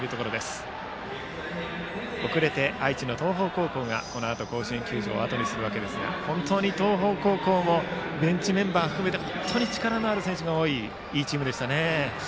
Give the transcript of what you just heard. その後、愛知の東邦高校がこのあと甲子園球場をあとにしますが本当に東邦高校もベンチメンバー含めて本当に力のある選手が多いいいチームでしたね。